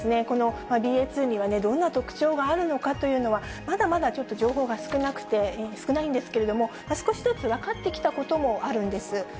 このＢＡ．２にはどんな特徴があるのかというのは、まだまだちょっと情報が少なくて、今少ないんですけれども、少しずつ分かってきたこともあるんです。